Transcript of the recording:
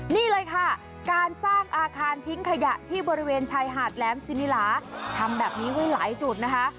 นี่เลยค่ะการสร้างอาคารทิ้งขยะที่บริเวณชายหาดแหลมซินิลาทำแบบนี้ไว้หลายจุดนะคะ